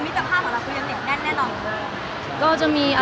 หมายถึงว่าความดังของผมแล้วทำให้เพื่อนมีผลกระทบอย่างนี้หรอค่ะ